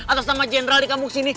atas nama jenderal di kampung sini